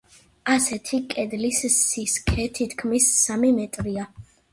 ასეთი კედლის სისქე თითქმის სამი მეტრია.